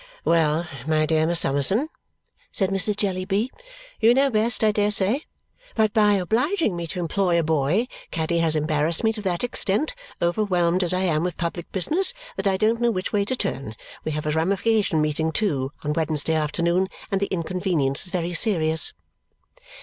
"Well, my dear Miss Summerson," said Mrs. Jellyby, "you know best, I dare say. But by obliging me to employ a boy, Caddy has embarrassed me to that extent, overwhelmed as I am with public business, that I don't know which way to turn. We have a Ramification meeting, too, on Wednesday afternoon, and the inconvenience is very serious."